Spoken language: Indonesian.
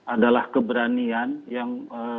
adalah keberanian yang